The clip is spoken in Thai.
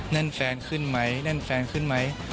นั่นแฟนขึ้นไหมนั่นแฟนขึ้นไหม